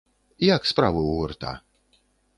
Як справы ў гурта?